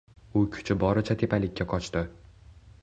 U kuchi boricha tepalikka qochdi.